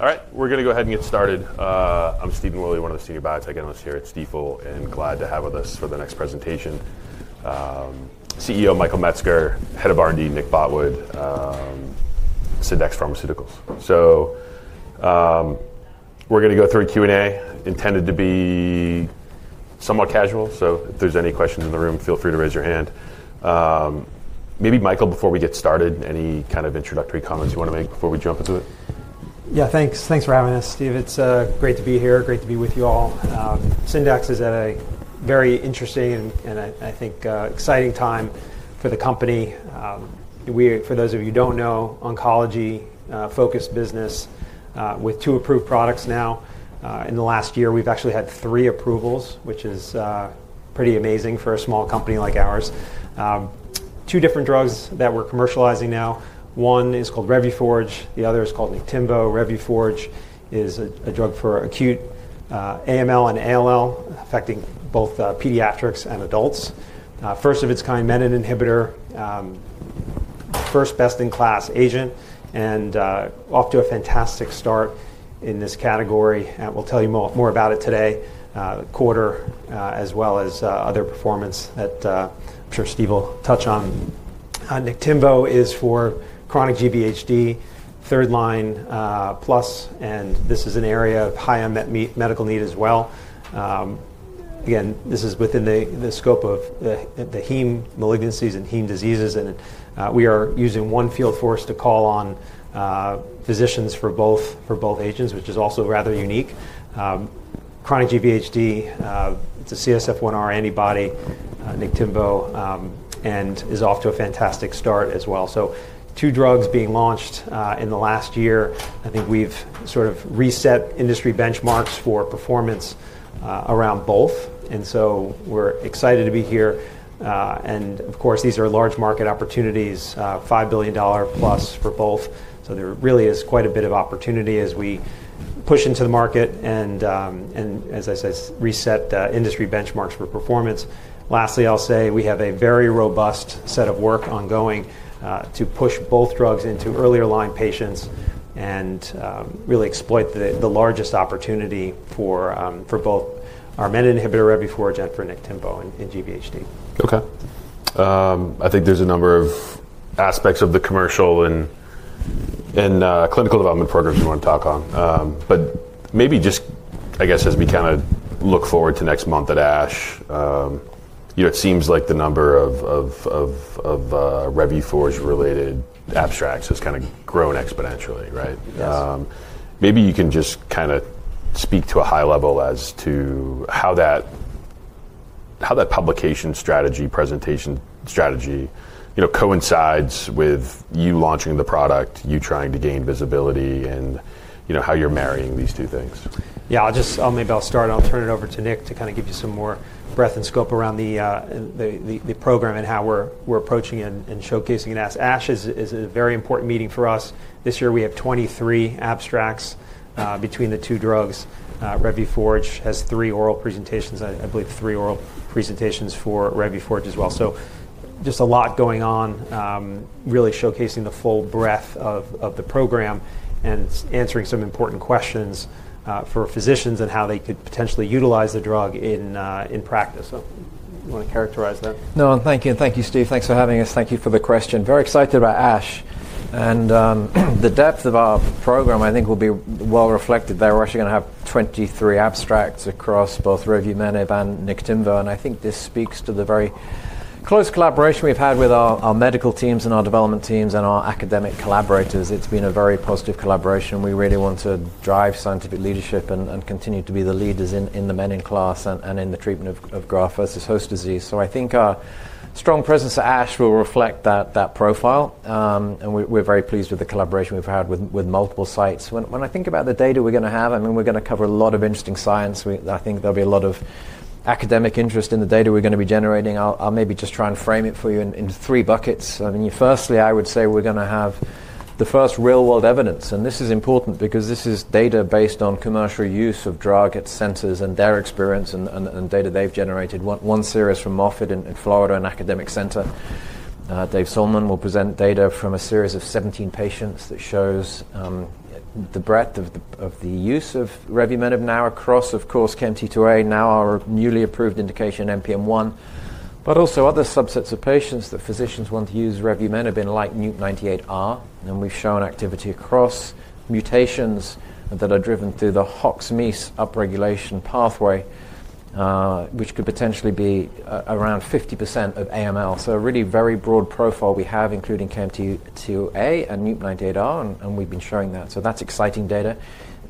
All right, we're going to go ahead and get started. I'm Steven Willie, one of the senior biotech analysts here at Stifel, and glad to have with us for the next presentation. CEO Michael Metzger, head of R&D Nick Botwood, Syndax Pharmaceuticals. So we're going to go through a Q&A intended to be somewhat casual, so if there's any questions in the room, feel free to raise your hand. Maybe Michael, before we get started, any kind of introductory comments you want to make before we jump into it? Yeah, thanks for having us, Steve. It's great to be here, great to be with you all. Syndax is at a very interesting and, I think, exciting time for the company. For those of you who do not know, oncology-focused business with two approved products now. In the last year, we have actually had three approvals, which is pretty amazing for a small company like ours. Two different drugs that we are commercializing now. One is called Revuforj. The other is called Niktimvo. Revuforj is a drug for acute AML and ALL, affecting both pediatrics and adults. First of its kind, menin inhibitor, first best-in-class agent, and off to a fantastic start in this category. We will tell you more about it today, quarter, as well as other performance that I am sure Steve will touch on. Niktimvo is for chronic GVHD, third line plus, and this is an area of high medical need as well. Again, this is within the scope of the heme malignancies and heme diseases, and we are using one field force to call on physicians for both agents, which is also rather unique. Chronic GVHD, it's a CSF1R antibody, Niktimvo, and is off to a fantastic start as well. Two drugs being launched in the last year, I think we've sort of reset industry benchmarks for performance around both. We're excited to be here. Of course, these are large market opportunities, $5 billion plus for both. There really is quite a bit of opportunity as we push into the market and, as I said, reset industry benchmarks for performance. Lastly, I'll say we have a very robust set of work ongoing to push both drugs into earlier line patients and really exploit the largest opportunity for both our menin inhibitor, Revuforj, and for Niktimvo in GVHD. Okay. I think there's a number of aspects of the commercial and clinical development programs we want to talk on. Maybe just, I guess, as we kind of look forward to next month at ASH, it seems like the number of Revuforj-related abstracts has kind of grown exponentially, right? Maybe you can just kind of speak to a high level as to how that publication strategy, presentation strategy, coincides with you launching the product, you trying to gain visibility, and how you're marrying these two things. Yeah, maybe I'll start and I'll turn it over to Nick to kind of give you some more breadth and scope around the program and how we're approaching and showcasing it. ASH is a very important meeting for us. This year we have 23 abstracts between the two drugs. Revuforj has three oral presentations, I believe three oral presentations for Revuforj as well. Just a lot going on, really showcasing the full breadth of the program and answering some important questions for physicians and how they could potentially utilize the drug in practice. You want to characterize that? No, thank you. Thank you, Steve. Thanks for having us. Thank you for the question. Very excited about ASH. The depth of our program, I think, will be well reflected there. We're actually going to have 23 abstracts across both Revumeniband Niktimvo. I think this speaks to the very close collaboration we've had with our medical teams and our development teams and our academic collaborators. It's been a very positive collaboration. We really want to drive scientific leadership and continue to be the leaders in the menin class and in the treatment of graft versus host disease. I think our strong presence at ASH will reflect that profile. We're very pleased with the collaboration we've had with multiple sites. When I think about the data we're going to have, I mean, we're going to cover a lot of interesting science. I think there'll be a lot of academic interest in the data we're going to be generating. I'll maybe just try and frame it for you in three buckets. I mean, firstly, I would say we're going to have the first real-world evidence. This is important because this is data based on commercial use of drug at centers and their experience and data they've generated. One series from Moffitt in Florida, an academic center. Dave Solman will present data from a series of 17 patients that shows the breadth of the use of Revumenibnow across, of course, KMT2A, now our newly approved indication NPM1, but also other subsets of patients that physicians want to use Revumenib in like NUP98 fusion. We've shown activity across mutations that are driven through the HOX-MEIS upregulation pathway, which could potentially be around 50% of AML. A really very broad profile we have, including KMT2A and NUP98 fusion, and we've been showing that. That is exciting data.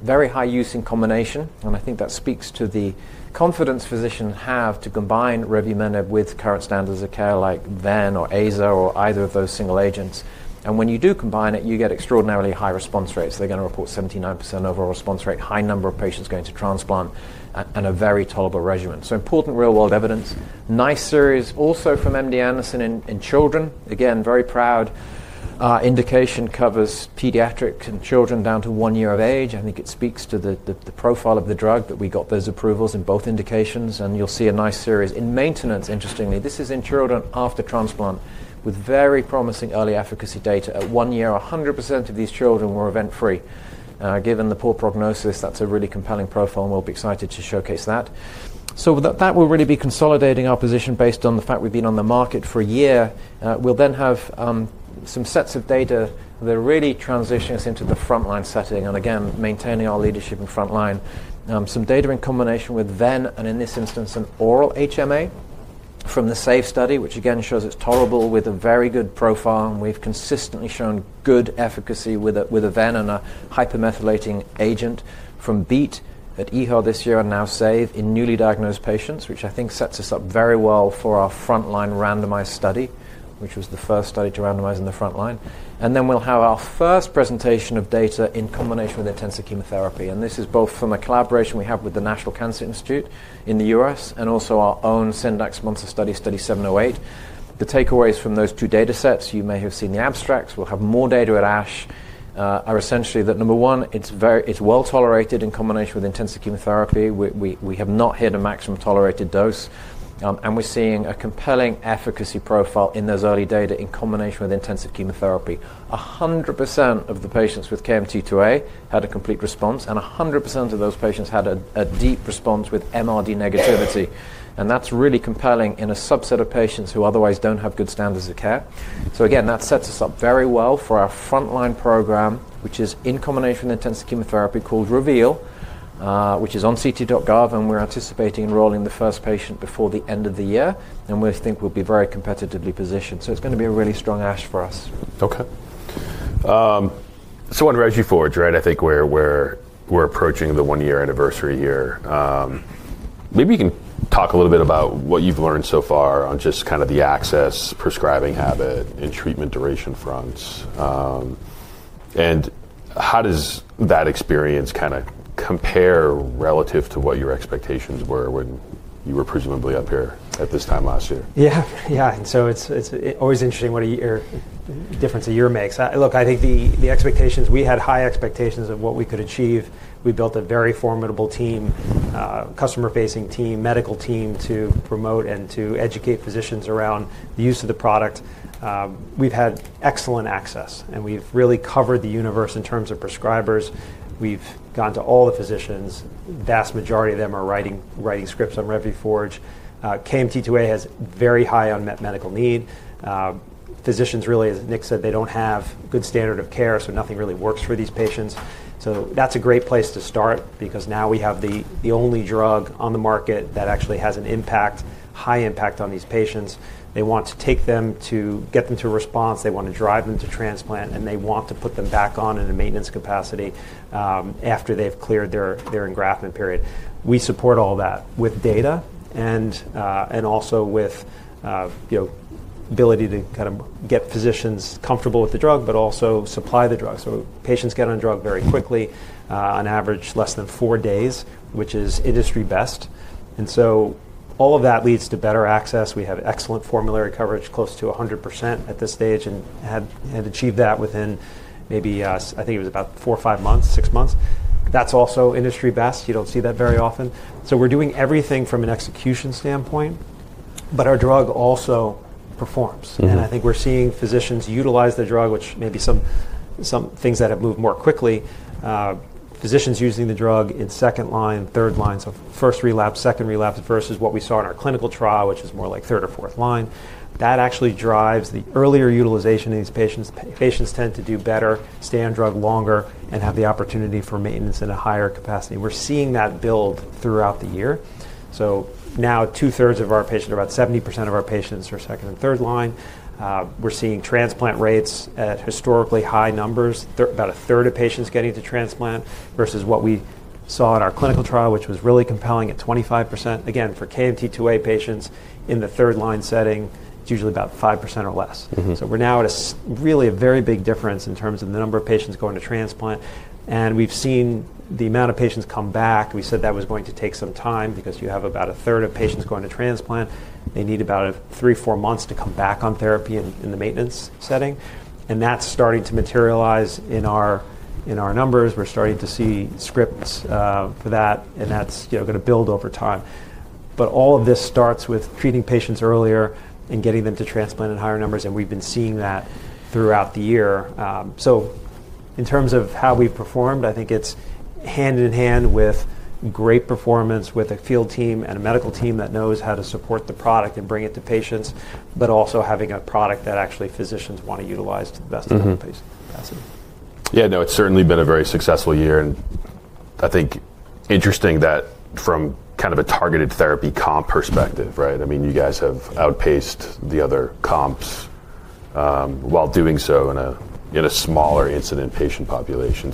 Very high use in combination. I think that speaks to the confidence physicians have to combine Revumenib with current standards of care like Vene or Aza or either of those single agents. When you do combine it, you get extraordinarily high response rates. They are going to report 79% overall response rate, high number of patients going to transplant, and a very tolerable regimen. Important real-world evidence. Nice series also from MD Anderson in children. Again, very proud. Indication covers pediatric and children down to one year of age. I think it speaks to the profile of the drug that we got those approvals in both indications. You will see a nice series in maintenance, interestingly. This is in children after transplant with very promising early efficacy data. At one year, 100% of these children were event-free. Given the poor prognosis, that's a really compelling profile. We will be excited to showcase that. That will really be consolidating our position based on the fact we've been on the market for a year. We will then have some sets of data that are really transitioning us into the frontline setting and again, maintaining our leadership in frontline. Some data in combination with Ven, and in this instance, an oral HMA from the SAVE study, which again shows it's tolerable with a very good profile. We've consistently shown good efficacy with a Vene and a hypomethylating agent from Beat at EHA this year and now SAVE in newly diagnosed patients, which I think sets us up very well for our frontline randomized study, which was the first study to randomize in the frontline. We'll have our first presentation of data in combination with intensive chemotherapy. This is both from a collaboration we have with the National Cancer Institute in the United States and also our own Syndax Monster Study, Study 708. The takeaways from those two data sets, you may have seen the abstracts. We'll have more data at ASH. Are essentially that number one, it's well tolerated in combination with intensive chemotherapy. We have not hit a maximum tolerated dose. We're seeing a compelling efficacy profile in those early data in combination with intensive chemotherapy. 100% of the patients with KMT2A had a complete response, and 100% of those patients had a deep response with MRD negativity. That is really compelling in a subset of patients who otherwise do not have good standards of care. Again, that sets us up very well for our frontline program, which is in combination with intensive chemotherapy called Reveal, which is on ct.gov. We are anticipating enrolling the first patient before the end of the year. We think we will be very competitively positioned. It is going to be a really strong ASH for us. Okay. So on Revuforj, right, I think we're approaching the one-year anniversary here. Maybe you can talk a little bit about what you've learned so far on just kind of the access, prescribing habit, and treatment duration fronts. How does that experience kind of compare relative to what your expectations were when you were presumably up here at this time last year? Yeah, yeah. It's always interesting what a difference a year makes. Look, I think the expectations, we had high expectations of what we could achieve. We built a very formidable team, customer-facing team, medical team to promote and to educate physicians around the use of the product. We've had excellent access, and we've really covered the universe in terms of prescribers. We've gone to all the physicians. Vast majority of them are writing scripts on Revuforj. KMT2A has very high unmet medical need. Physicians, really, as Nick said, they don't have good standard of care, so nothing really works for these patients. That's a great place to start because now we have the only drug on the market that actually has an impact, high impact on these patients. They want to take them to get them to a response. They want to drive them to transplant, and they want to put them back on in a maintenance capacity after they've cleared their engraftment period. We support all that with data and also with the ability to kind of get physicians comfortable with the drug, but also supply the drug. Patients get on drug very quickly, on average less than four days, which is industry best. All of that leads to better access. We have excellent formulary coverage, close to 100% at this stage, and had achieved that within maybe, I think it was about four or five months, six months. That is also industry best. You do not see that very often. We are doing everything from an execution standpoint, but our drug also performs. I think we are seeing physicians utilize the drug, which may be some things that have moved more quickly. Physicians using the drug in second line, third line, so first relapse, second relapse versus what we saw in our clinical trial, which is more like third or fourth line. That actually drives the earlier utilization of these patients. Patients tend to do better, stay on drug longer, and have the opportunity for maintenance in a higher capacity. We're seeing that build throughout the year. Now two-thirds of our patients, about 70% of our patients, are second and third line. We're seeing transplant rates at historically high numbers, about a third of patients getting to transplant versus what we saw in our clinical trial, which was really compelling at 25%. Again, for KMT2A patients in the third line setting, it's usually about 5% or less. We're now at really a very big difference in terms of the number of patients going to transplant. We have seen the amount of patients come back. We said that was going to take some time because you have about one third of patients going to transplant. They need about three to four months to come back on therapy in the maintenance setting. That is starting to materialize in our numbers. We are starting to see scripts for that, and that is going to build over time. All of this starts with treating patients earlier and getting them to transplant in higher numbers. We have been seeing that throughout the year. In terms of how we have performed, I think it is hand in hand with great performance with a field team and a medical team that knows how to support the product and bring it to patients, but also having a product that actually physicians want to utilize to the best of their capacity. Yeah, no, it's certainly been a very successful year. I think interesting that from kind of a targeted therapy comp perspective, right? I mean, you guys have outpaced the other comps while doing so in a smaller incident patient population.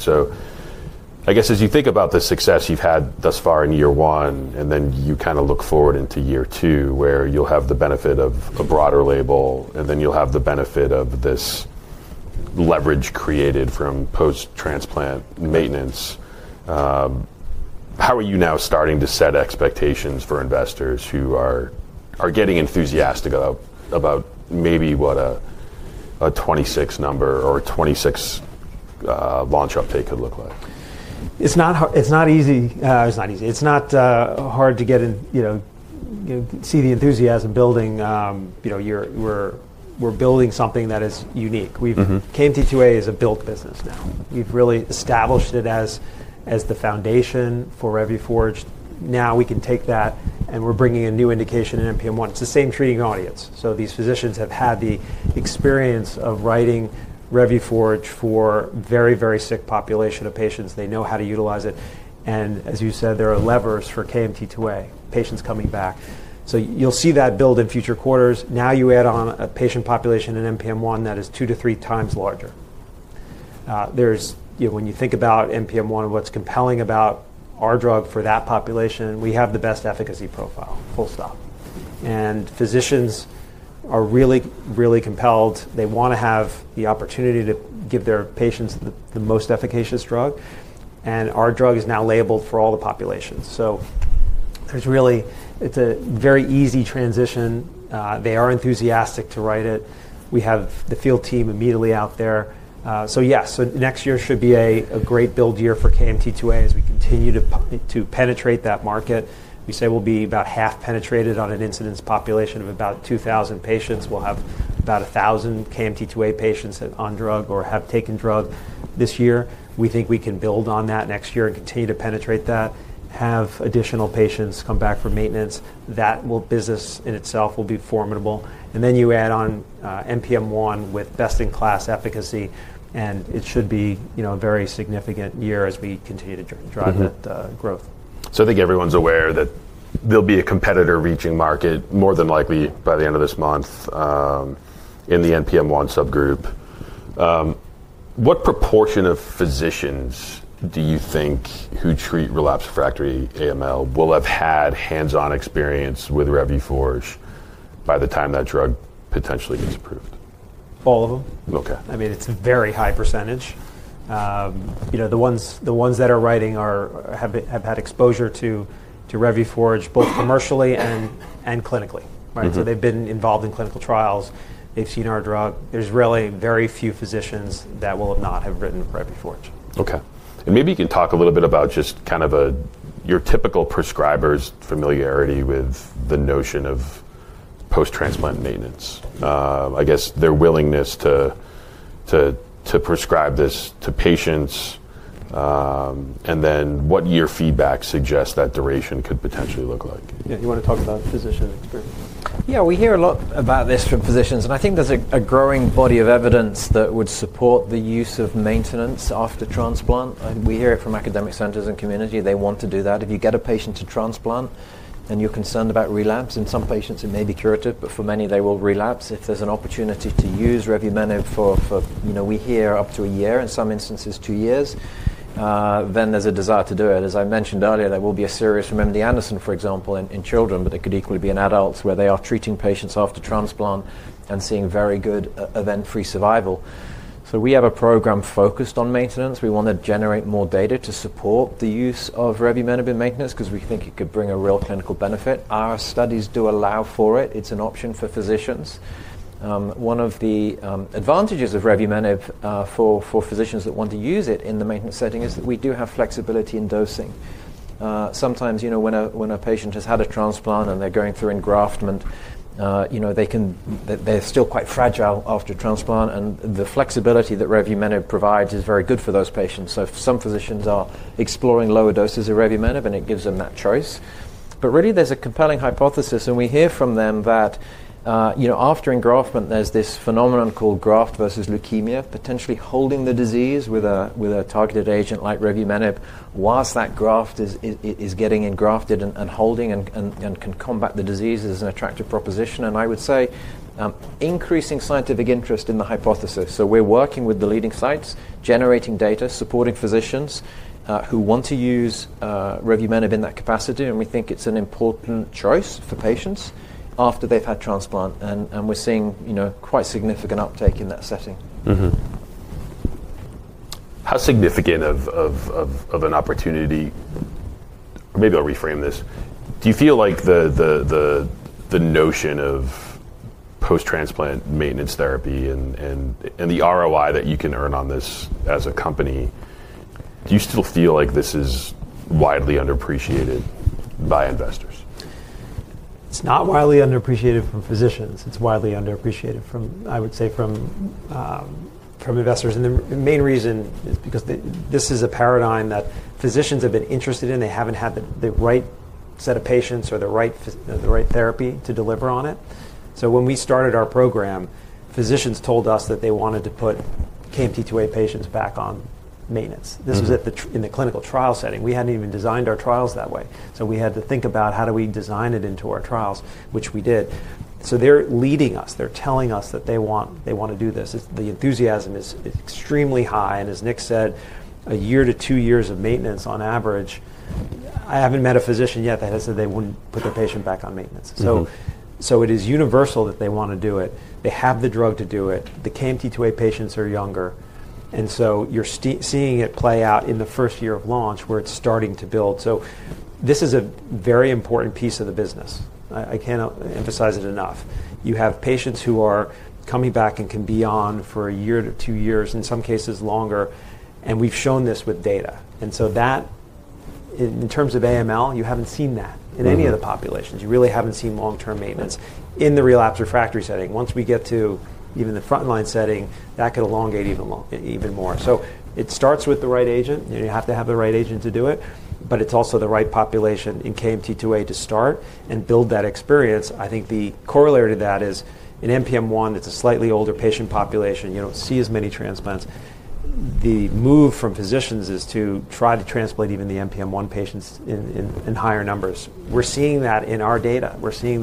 I guess as you think about the success you've had thus far in year one, and then you kind of look forward into year two where you'll have the benefit of a broader label, and then you'll have the benefit of this leverage created from post-transplant maintenance. How are you now starting to set expectations for investors who are getting enthusiastic about maybe what a 2026 number or 2026 launch update could look like? It's not easy. It's not easy. It's not hard to see the enthusiasm building. We're building something that is unique. KMT2A is a built business now. We've really established it as the foundation for Revuforj. Now we can take that and we're bringing a new indication in NPM1. It's the same treating audience. These physicians have had the experience of writing Revuforj for a very, very sick population of patients. They know how to utilize it. As you said, there are levers for KMT2A, patients coming back. You'll see that build in future quarters. Now you add on a patient population in NPM1 that is two to three times larger. When you think about NPM1, what's compelling about our drug for that population, we have the best efficacy profile, full stop. Physicians are really, really compelled. They want to have the opportunity to give their patients the most efficacious drug. And our drug is now labeled for all the populations. It is a very easy transition. They are enthusiastic to write it. We have the field team immediately out there. Yes, next year should be a great build year for KMT2A as we continue to penetrate that market. We say we will be about half penetrated on an incidence population of about 2,000 patients. We will have about 1,000 KMT2A patients on drug or have taken drug this year. We think we can build on that next year and continue to penetrate that, have additional patients come back for maintenance. That business in itself will be formidable. You add on NPM1 with best-in-class efficacy. It should be a very significant year as we continue to drive that growth. I think everyone's aware that there'll be a competitor reaching market more than likely by the end of this month in the NPM1 subgroup. What proportion of physicians do you think who treat relapsed refractory AML will have had hands-on experience with Revuforj by the time that drug potentially gets approved? All of them. I mean, it's a very high percentage. The ones that are writing have had exposure to Revuforj both commercially and clinically. So they've been involved in clinical trials. They've seen our drug. There's really very few physicians that will not have written Revuforj. Okay. Maybe you can talk a little bit about just kind of your typical prescriber's familiarity with the notion of post-transplant maintenance. I guess their willingness to prescribe this to patients. What your feedback suggests that duration could potentially look like? Yeah, you want to talk about physician experience. Yeah, we hear a lot about this from physicians. I think there's a growing body of evidence that would support the use of maintenance after transplant. We hear it from academic centers and community. They want to do that. If you get a patient to transplant and you're concerned about relapse, in some patients, it may be curative, but for many, they will relapse. If there's an opportunity to use Revumenib for, we hear, up to a year, in some instances, two years, then there's a desire to do it. As I mentioned earlier, there will be a series from MD Anderson, for example, in children, but it could equally be in adults where they are treating patients after transplant and seeing very good event-free survival. We have a program focused on maintenance. We want to generate more data to support the use of Revuforj in maintenance because we think it could bring a real clinical benefit. Our studies do allow for it. It's an option for physicians. One of the advantages of Revuforj for physicians that want to use it in the maintenance setting is that we do have flexibility in dosing. Sometimes when a patient has had a transplant and they're going through engraftment, they're still quite fragile after transplant. The flexibility that Revuforj provides is very good for those patients. Some physicians are exploring lower doses of Revuforj, and it gives them that choice. There is a compelling hypothesis. We hear from them that after engraftment, there's this phenomenon called graft versus leukemia, potentially holding the disease with a targeted agent like Revuforj whilst that graft is getting engrafted and holding and can combat the disease as an attractive proposition. I would say increasing scientific interest in the hypothesis. We are working with the leading sites, generating data, supporting physicians who want to use Revumenib in that capacity. We think it's an important choice for patients after they've had transplant. We are seeing quite significant uptake in that setting. How significant of an opportunity? Maybe I'll reframe this. Do you feel like the notion of post-transplant maintenance therapy and the ROI that you can earn on this as a company, do you still feel like this is widely underappreciated by investors? It's not widely underappreciated from physicians. It's widely underappreciated, I would say, from investors. The main reason is because this is a paradigm that physicians have been interested in. They haven't had the right set of patients or the right therapy to deliver on it. When we started our program, physicians told us that they wanted to put KMT2A patients back on maintenance. This was in the clinical trial setting. We hadn't even designed our trials that way. We had to think about how do we design it into our trials, which we did. They're leading us. They're telling us that they want to do this. The enthusiasm is extremely high. As Nick said, a year to two years of maintenance on average. I haven't met a physician yet that has said they wouldn't put their patient back on maintenance. It is universal that they want to do it. They have the drug to do it. The KMT2A patients are younger. You are seeing it play out in the first year of launch where it is starting to build. This is a very important piece of the business. I cannot emphasize it enough. You have patients who are coming back and can be on for a year to two years, in some cases longer. We have shown this with data. That, in terms of AML, you have not seen that in any of the populations. You really have not seen long-term maintenance in the relapse refractory setting. Once we get to even the frontline setting, that could elongate even more. It starts with the right agent. You have to have the right agent to do it. It's also the right population in KMT2A to start and build that experience. I think the corollary to that is in NPM1, it's a slightly older patient population. You don't see as many transplants. The move from physicians is to try to transplant even the NPM1 patients in higher numbers. We're seeing that in our data. We're seeing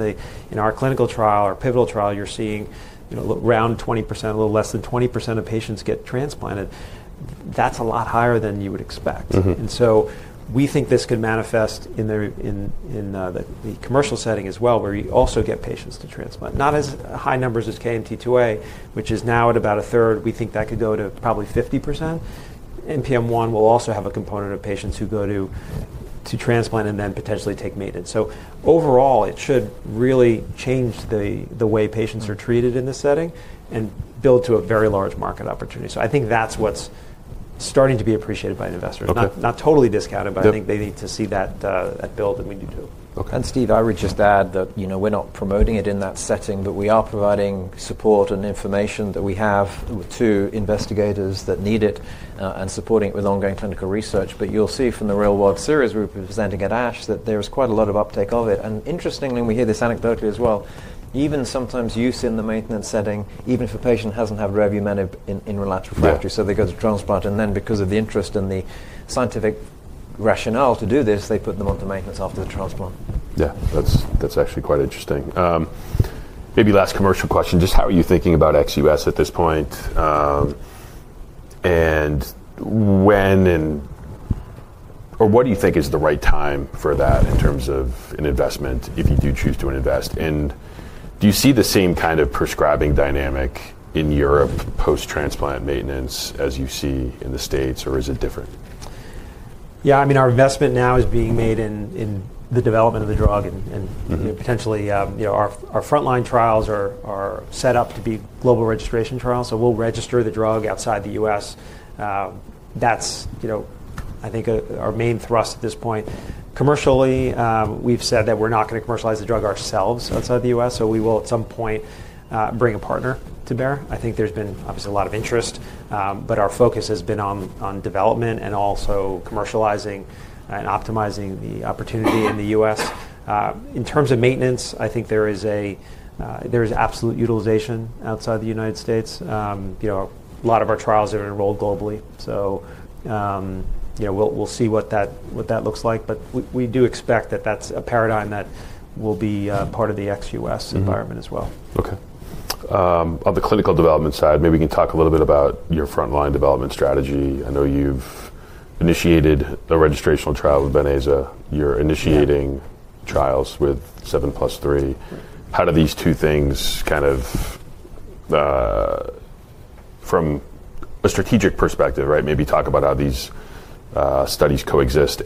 in our clinical trial, our pivotal trial, you're seeing around 20%, a little less than 20% of patients get transplanted. That's a lot higher than you would expect. We think this could manifest in the commercial setting as well, where you also get patients to transplant. Not as high numbers as KMT2A, which is now at about a third. We think that could go to probably 50%. NPM1 will also have a component of patients who go to transplant and then potentially take maintenance. Overall, it should really change the way patients are treated in this setting and build to a very large market opportunity. I think that's what's starting to be appreciated by investors. Not totally discounted, but I think they need to see that build, and we do too. Steve, I would just add that we're not promoting it in that setting, but we are providing support and information that we have to investigators that need it and supporting it with ongoing clinical research. You'll see from the real-world series we're presenting at ASH that there is quite a lot of uptake of it. Interestingly, we hear this anecdotally as well. Even sometimes use in the maintenance setting, even if a patient hasn't had Revumenib in relapse refractory, so they go to transplant. Then because of the interest and the scientific rationale to do this, they put them onto maintenance after the transplant. Yeah, that's actually quite interesting. Maybe last commercial question, just how are you thinking about XUS at this point? When or what do you think is the right time for that in terms of an investment if you do choose to invest? Do you see the same kind of prescribing dynamic in Europe post-transplant maintenance as you see in the States, or is it different? Yeah, I mean, our investment now is being made in the development of the drug. Potentially our frontline trials are set up to be global registration trials. We will register the drug outside the U.S. That is, I think, our main thrust at this point. Commercially, we have said that we are not going to commercialize the drug ourselves outside the U.S. We will at some point bring a partner to bear. I think there has been obviously a lot of interest, but our focus has been on development and also commercializing and optimizing the opportunity in the U.S. In terms of maintenance, I think there is absolute utilization outside the United States. A lot of our trials are enrolled globally. We will see what that looks like. We do expect that is a paradigm that will be part of the ex-U.S. environment as well. Okay. On the clinical development side, maybe you can talk a little bit about your frontline development strategy. I know you've initiated a registrational trial with Beneza. You're initiating trials with 7+3. How do these two things kind of, from a strategic perspective, right, maybe talk about how these studies coexist?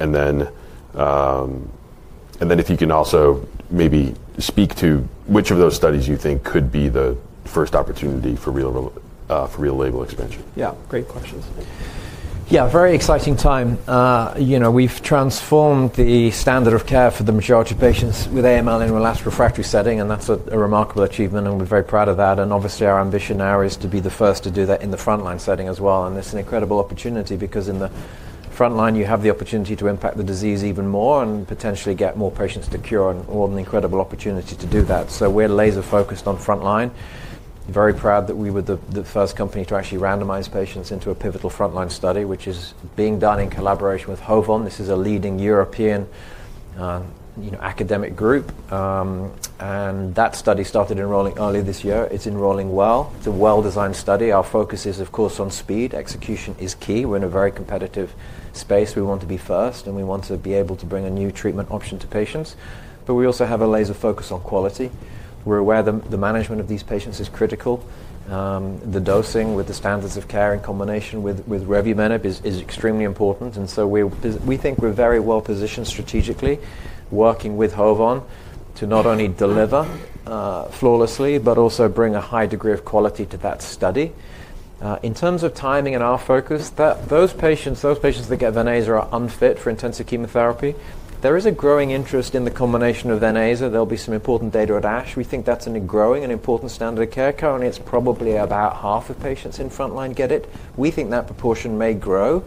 If you can also maybe speak to which of those studies you think could be the first opportunity for real label expansion. Yeah, great questions. Yeah, very exciting time. We have transformed the standard of care for the majority of patients with AML in relapse refractory setting. That is a remarkable achievement, and we are very proud of that. Obviously, our ambition now is to be the first to do that in the frontline setting as well. It is an incredible opportunity because in the frontline, you have the opportunity to impact the disease even more and potentially get more patients to cure. We will have an incredible opportunity to do that. We are laser-focused on frontline. Very proud that we were the first company to actually randomize patients into a pivotal frontline study, which is being done in collaboration with Hovon. This is a leading European academic group. That study started enrolling early this year. It is enrolling well. It is a well-designed study. Our focus is, of course, on speed. Execution is key. We're in a very competitive space. We want to be first, and we want to be able to bring a new treatment option to patients. We also have a laser focus on quality. We're aware the management of these patients is critical. The dosing with the standards of care in combination with Revumenib is extremely important. We think we're very well positioned strategically working with Hovon to not only deliver flawlessly, but also bring a high degree of quality to that study. In terms of timing and our focus, those patients that get Vene are unfit for intensive chemotherapy. There is a growing interest in the combination of Vene. There'll be some important data at ASH. We think that's a growing and important standard of care. Currently, it's probably about half of patients in frontline get it. We think that proportion may grow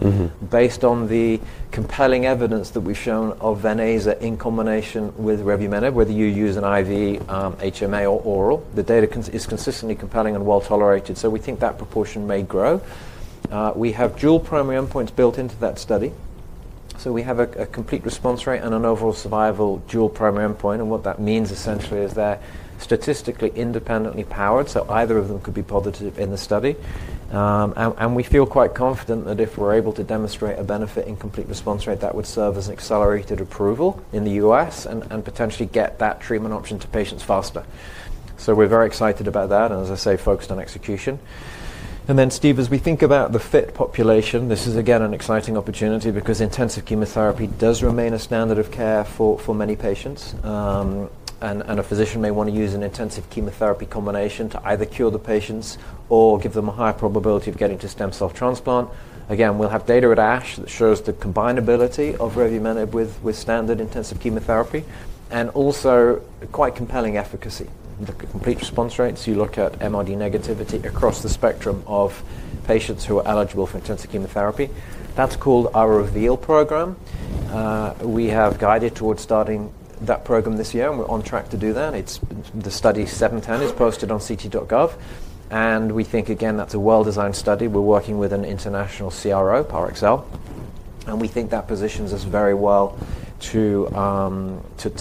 based on the compelling evidence that we've shown of Vene in combination with Revumenib whether you use an IV, HMA, or oral. The data is consistently compelling and well tolerated. We think that proportion may grow. We have dual primary endpoints built into that study. We have a complete response rate and an overall survival dual primary endpoint. What that means essentially is they're statistically independently powered. Either of them could be positive in the study. We feel quite confident that if we're able to demonstrate a benefit in complete response rate, that would serve as an accelerated approval in the U.S. and potentially get that treatment option to patients faster. We are very excited about that and, as I say, focused on execution. Steve, as we think about the fit population, this is again an exciting opportunity because intensive chemotherapy does remain a standard of care for many patients. A physician may want to use an intensive chemotherapy combination to either cure the patients or give them a higher probability of getting to stem cell transplant. We will have data at ASH that shows the combinability of Revumenibwith standard intensive chemotherapy and also quite compelling efficacy. The complete response rate, so you look at MRD negativity across the spectrum of patients who are eligible for intensive chemotherapy. That is called our Reveal program. We have guided towards starting that program this year, and we are on track to do that. The study 710 is posted on ct.gov. We think, again, that is a well-designed study. We are working with an international CRO, Par Excel. We think that positions us very well to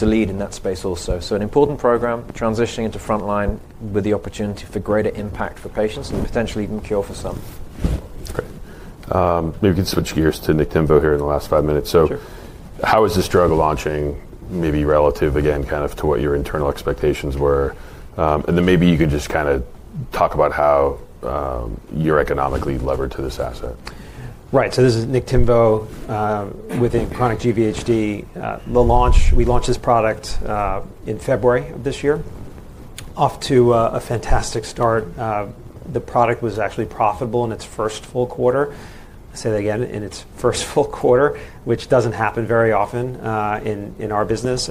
lead in that space also. An important program, transitioning into frontline with the opportunity for greater impact for patients and potentially even cure for some. Great. Maybe we can switch gears to Niktimvo here in the last five minutes. How is this drug launching maybe relative, again, kind of to what your internal expectations were? Maybe you can just kind of talk about how you're economically levered to this asset. Right. So this is Niktimvo with a chronic GVHD. We launched this product in February of this year, off to a fantastic start. The product was actually profitable in its first full quarter. I say that again, in its first full quarter, which does not happen very often in our business.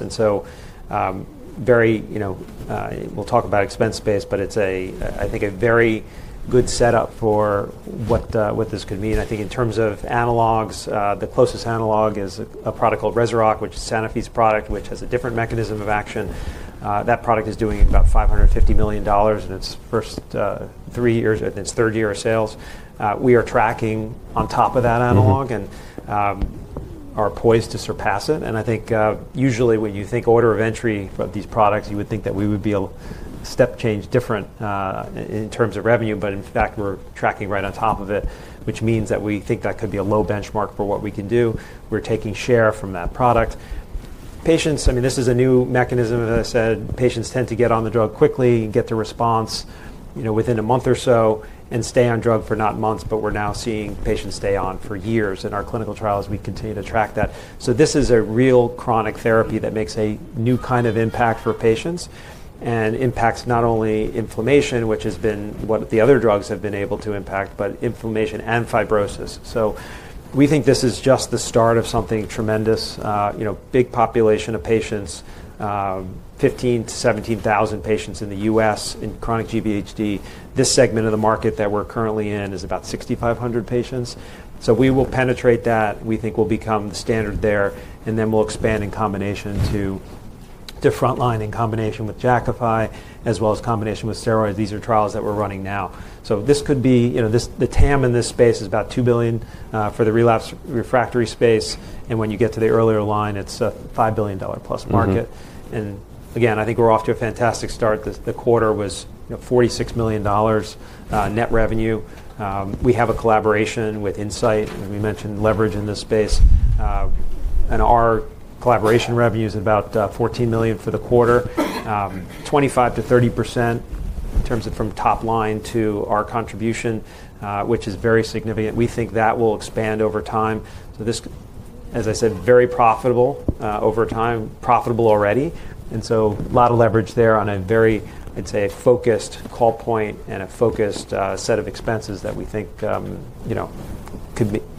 Very, we will talk about expense base, but it is, I think, a very good setup for what this could mean. I think in terms of analogs, the closest analog is a product called REZUROCK, which is Sanofi's product, which has a different mechanism of action. That product is doing about $550 million in its third year of sales. We are tracking on top of that analog and are poised to surpass it. I think usually when you think order of entry of these products, you would think that we would be a step change different in terms of revenue. In fact, we're tracking right on top of it, which means that we think that could be a low benchmark for what we can do. We're taking share from that product. Patients, I mean, this is a new mechanism, as I said. Patients tend to get on the drug quickly and get the response within a month or so and stay on drug for not months, but we're now seeing patients stay on for years. In our clinical trials, we continue to track that. This is a real chronic therapy that makes a new kind of impact for patients and impacts not only inflammation, which has been what the other drugs have been able to impact, but inflammation and fibrosis. We think this is just the start of something tremendous. Big population of patients, 15,000-17,000 patients in the U.S. in chronic GVHD. This segment of the market that we're currently in is about 6,500 patients. We will penetrate that. We think we'll become the standard there. Then we'll expand in combination to frontline in combination with Jakafi, as well as combination with steroids. These are trials that we're running now. The TAM in this space is about $2 billion for the relapse refractory space. When you get to the earlier line, it's a $5 billion+ market. Again, I think we're off to a fantastic start. The quarter was $46 million net revenue. We have a collaboration with Insight. We mentioned leverage in this space. Our collaboration revenue is about $14 million for the quarter, 25%-30% in terms of from top line to our contribution, which is very significant. We think that will expand over time. This, as I said, very profitable over time, profitable already. A lot of leverage there on a very, I'd say, focused call point and a focused set of expenses that we think could be at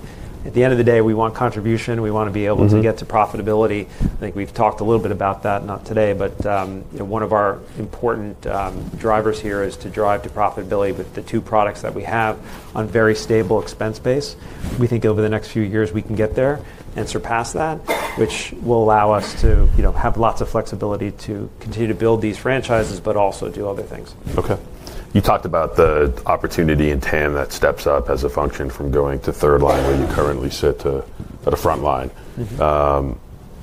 the end of the day, we want contribution. We want to be able to get to profitability. I think we've talked a little bit about that, not today, but one of our important drivers here is to drive to profitability with the two products that we have on very stable expense base. We think over the next few years we can get there and surpass that, which will allow us to have lots of flexibility to continue to build these franchises, but also do other things. Okay. You talked about the opportunity in TAM that steps up as a function from going to third line where you currently sit to frontline.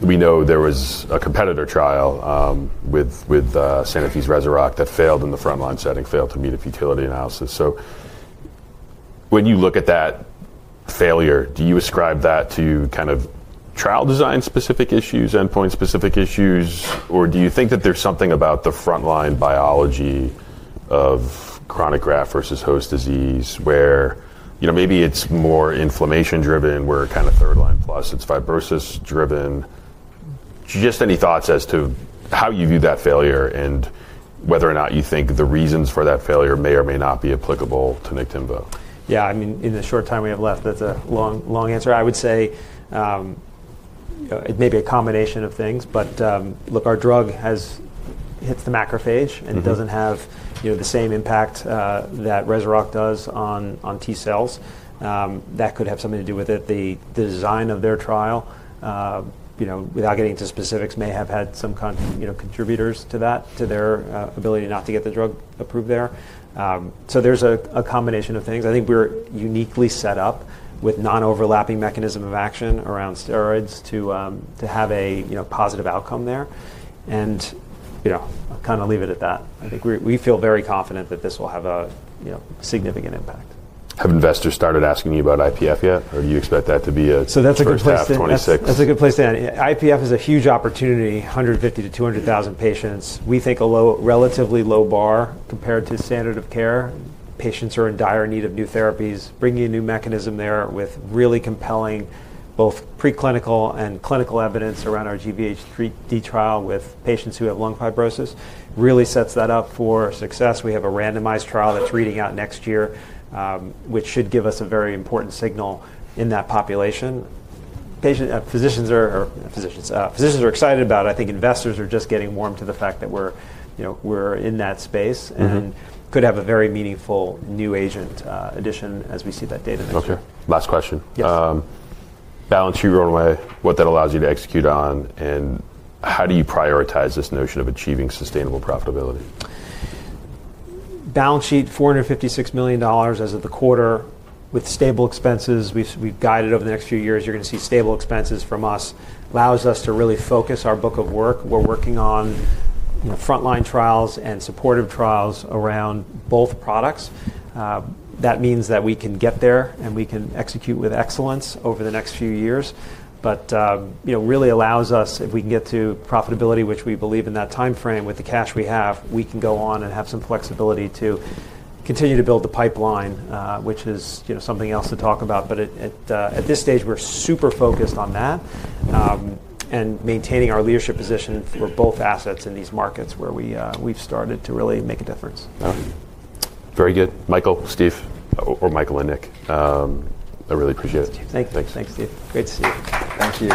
We know there was a competitor trial with Sanofi's REZUROCK that failed in the frontline setting, failed to meet a futility analysis. When you look at that failure, do you ascribe that to kind of trial design specific issues, endpoint specific issues, or do you think that there's something about the frontline biology of chronic graft versus host disease where maybe it's more inflammation driven, where kind of third line plus, it's fibrosis driven? Just any thoughts as to how you view that failure and whether or not you think the reasons for that failure may or may not be applicable to Niktimvo? Yeah, I mean, in the short time we have left, that's a long answer. I would say it may be a combination of things. But look, our drug has hit the macrophage and doesn't have the same impact that REZUROCK does on T cells. That could have something to do with it. The design of their trial, without getting into specifics, may have had some contributors to that, to their ability not to get the drug approved there. So there's a combination of things. I think we're uniquely set up with non-overlapping mechanism of action around steroids to have a positive outcome there. And I'll kind of leave it at that. I think we feel very confident that this will have a significant impact. Have investors started asking you about IPF yet, or do you expect that to be a 2026? That's a good place to end. IPF is a huge opportunity, 150,000-200,000 patients. We think a relatively low bar compared to standard of care. Patients are in dire need of new therapies. Bringing a new mechanism there with really compelling both preclinical and clinical evidence around our GVHD trial with patients who have lung fibrosis really sets that up for success. We have a randomized trial that's reading out next year, which should give us a very important signal in that population. Physicians are excited about it. I think investors are just getting warm to the fact that we're in that space and could have a very meaningful new agent addition as we see that data next year. Okay. Last question. Yes. Balance sheet runway, what that allows you to execute on, and how do you prioritize this notion of achieving sustainable profitability? Balance sheet, $456 million as of the quarter with stable expenses. We've guided over the next few years. You're going to see stable expenses from us. It allows us to really focus our book of work. We're working on frontline trials and supportive trials around both products. That means that we can get there and we can execute with excellence over the next few years. It really allows us, if we can get to profitability, which we believe in that time frame with the cash we have, we can go on and have some flexibility to continue to build the pipeline, which is something else to talk about. At this stage, we're super focused on that and maintaining our leadership position for both assets in these markets where we've started to really make a difference. Very good. Michael, Steve, or Michael and Nick. I really appreciate it. Thanks, Steve. Great to see you. Thank you.